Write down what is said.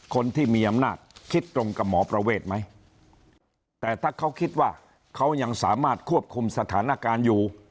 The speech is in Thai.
คนที่มีอำนาจคิดตรงกับหมอประเวทไหมแต่ถ้าเขาคิดว่าเขายังสามารถควบคุมสถานการณ์อยู่